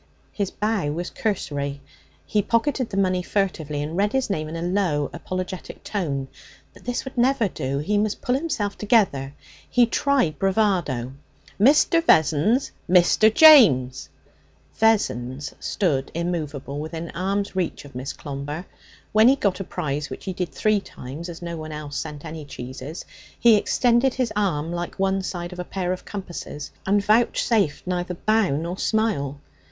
His bow was cursory. He pocketed the money furtively and read his name in a low, apologetic tone. But this would never do! He must pull himself together. He tried bravado. 'Mr. Vessons. Mr. James.' Vessons stood immovable within arm's reach of Miss Clomber. When he got a prize, which he did three times, no one else having sent any cheeses, he extended his arm like one side of a pair of compasses, and vouchsafed neither bow nor smile.